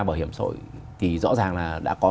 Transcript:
bảo hiểm xã hội thì rõ ràng là đã có